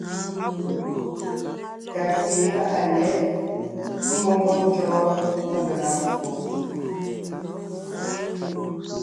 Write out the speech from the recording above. Ka pi láʼa lyɛ̌ʼ ḿmoŋo ntÿɔgɔ megaŋa ffo.